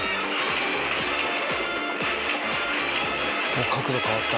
おっ角度変わった。